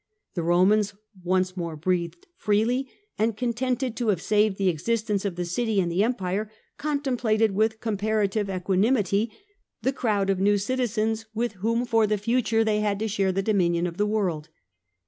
The Romans once more breathed freely, and, contented to have saved the existence of the city and the empire, con templated with comparative equanimity the crowd of new citizens with whom for the future they had to share the dominion of the world.